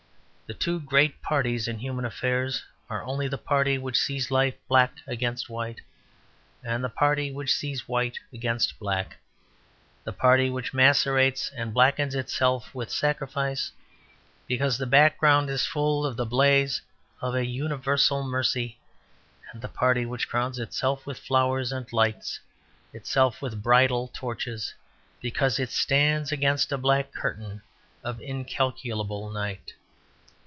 The two great parties in human affairs are only the party which sees life black against white, and the party which sees it white against black, the party which macerates and blackens itself with sacrifice because the background is full of the blaze of an universal mercy, and the party which crowns itself with flowers and lights itself with bridal torches because it stands against a black curtain of incalculable night.